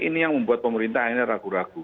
ini yang membuat pemerintah akhirnya ragu ragu